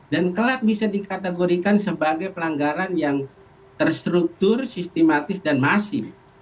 dan kelak bisa dikategorikan sebagai pelanggaran yang terstruktur sistematis dan masing